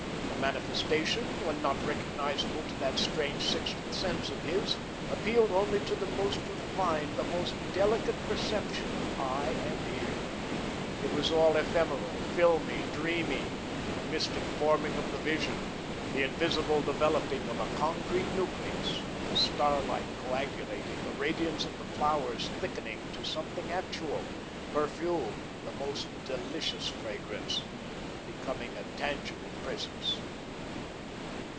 The manifestation, when not recognisable to that strange sixth sense of his, appealed only to the most refined, the most delicate perception of eye and ear. It was all ephemeral, filmy, dreamy, the mystic forming of the Vision the invisible developing a concrete nucleus, the starlight coagulating, the radiance of the flowers thickening to something actual; perfume, the most delicious fragrance, becoming a tangible presence.